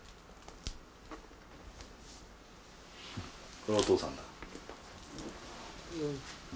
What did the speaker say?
これはお父さんだ。